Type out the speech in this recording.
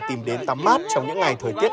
tìm đến tắm mát trong những ngày thời tiết